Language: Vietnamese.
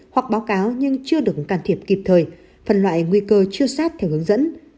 hoặc báo cáo nhưng chưa được can thiệp kịp thời phần loại nguy cơ chưa sát theo hướng dẫn